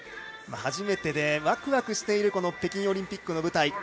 初めてでワクワクしている北京オリンピックの舞台。